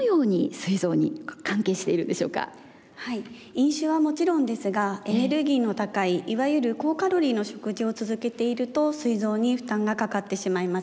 飲酒はもちろんですがエネルギーの高いいわゆる高カロリーの食事を続けているとすい臓に負担がかかってしまいます。